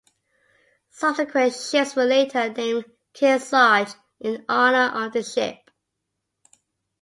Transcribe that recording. Subsequent ships were later named "Kearsarge" in honor of the ship.